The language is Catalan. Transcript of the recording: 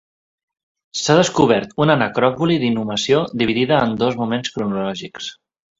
S'ha descobert una necròpoli d'inhumació dividida en dos moments cronològics.